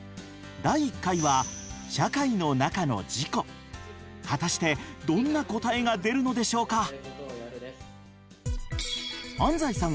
第１回は果たしてどんな答えが出るのでしょうか？